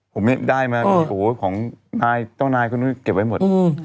ผมเลยได้มาของตัวนายเค้าเก็บไว้หมด